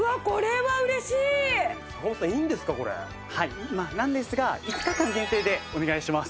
はいなんですが５日間限定でお願いします。